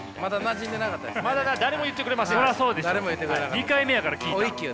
２回目やから聞いたの。